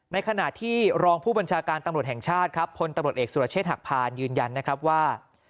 ในขณะที่รองผู้บัญชาการตำรวจแห่งชาติครับพลตำรวจเอกสุรเชษฐหักพานยืนยันนะครับว่า